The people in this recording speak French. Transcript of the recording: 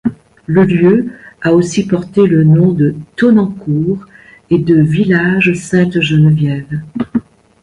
Le lieu a aussi porté le nom de Tonnancour et de village Sainte-Geneviève.